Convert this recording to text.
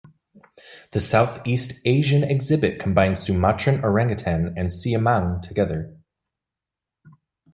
The South East Asian exhibit combines Sumatran orangutan and siamang together.